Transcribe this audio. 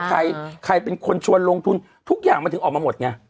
ใครใครเป็นคนชวนลงทุนทุกอย่างมันถึงออกมาหมดไง